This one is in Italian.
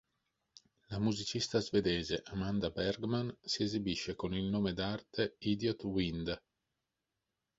La musicista svedese Amanda Bergman si esibisce con il nome d'arte "Idiot Wind".